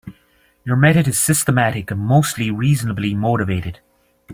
Your method is systematic and mostly reasonably motivated.